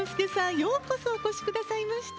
ようこそお越しくださいました。